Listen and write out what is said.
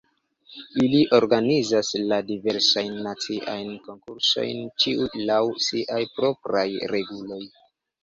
Ili organizas la diversajn naciajn konkursojn, ĉiu laŭ siaj propraj reguloj.